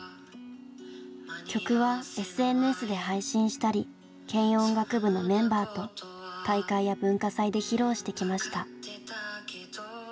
曲はＳＮＳで配信したり軽音楽部のメンバーと大会や文化祭で披露してきました。